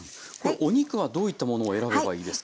お肉はどういったものを選べばいいですか？